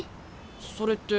それって。